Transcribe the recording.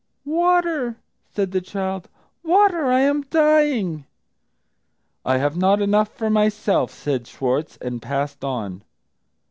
"Water!" said the child. "Water! I am dying." "I have not enough for myself," said Schwartz, and passed on.